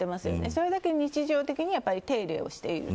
それだけ日常的に手入れをしている。